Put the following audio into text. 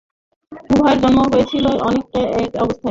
উভয়েরই জন্ম হইয়াছিল অনেকটা এক অবস্থায়।